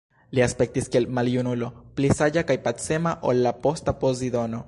Li aspektis kiel maljunulo, pli saĝa kaj pacema ol la posta Pozidono.